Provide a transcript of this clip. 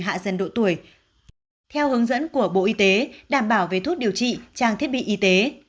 hạ dần độ tuổi theo hướng dẫn của bộ y tế đảm bảo về thuốc điều trị trang thiết bị y tế